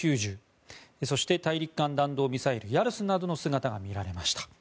そして大陸間弾道ミサイルヤルスなどの姿が見られました。